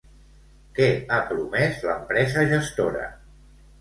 Què ha promès l'empresa gestora?